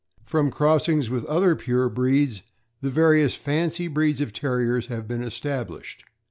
From cross ings with other pure breeds, the various fancy breeds of Terriers have been established.